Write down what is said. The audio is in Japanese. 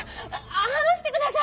離してください！